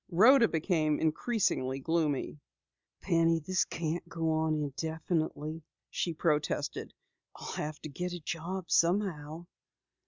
Rhoda became increasingly gloomy. "Penny, this can't go on indefinitely," she protested. "I'll have to get a job somehow."